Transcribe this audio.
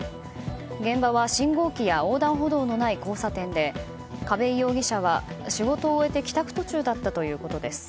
現場は信号機や横断歩道のない交差点で嘉部井容疑者は仕事を終えて帰宅途中だったということです。